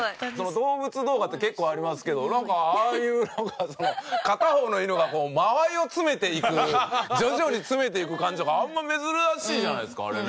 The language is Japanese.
動物動画って結構ありますけどああいうその片方の犬がこう間合いを詰めていく徐々に詰めていく感じとかあんま珍しいじゃないですかあれね。